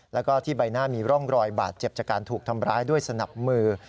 แล้วก็ที่ใบหน้ามีร่องรอยบาดเจ็บจากการถูกทำร้ายด้วยสนับมือ